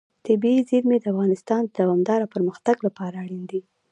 طبیعي زیرمې د افغانستان د دوامداره پرمختګ لپاره اړین دي.